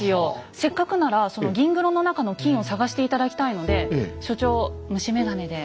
せっかくならその銀黒の中の金を探して頂きたいので所長虫眼鏡で。